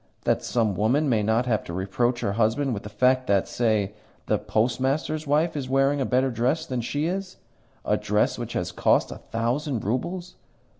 That some woman may not have to reproach her husband with the fact that, say, the Postmaster's wife is wearing a better dress than she is a dress which has cost a thousand roubles!